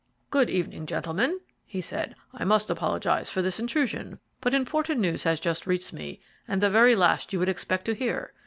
"Good evening, gentlemen," he said. "I must apologize for this intrusion, but important news has just reached me, and the very last you would expect to hear."